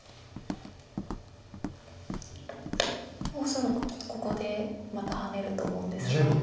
恐らくここでまたハネると思うんですが。